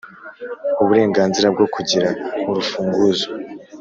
uburenganzira bwo kugira urufunguzo